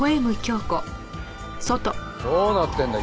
どうなってるんだ？